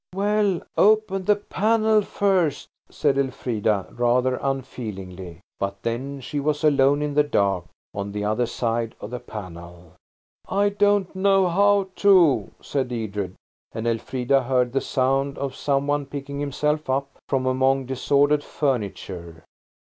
"Well, open the panel first," said Elfrida, rather unfeelingly. But then she was alone in the dark on the other side of the panel. "I don't know how to," said Edred, and Elfrida heard the sound of some one picking himself up from among disordered furniture.